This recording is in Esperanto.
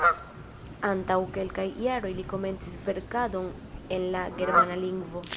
Antaŭ kelkaj jaroj li komencis verkadon en la germana lingvo.